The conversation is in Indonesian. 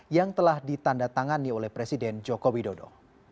yang telah ditanda tangani oleh presiden joko widodo